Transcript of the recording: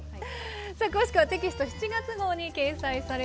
さあ詳しくはテキスト７月号に掲載されています。